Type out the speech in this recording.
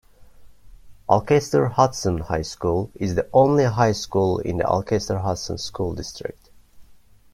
Alcester-Hudson High School is the only high school in the Alcester-Hudson School District.